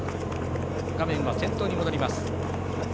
画面は先頭に戻ります。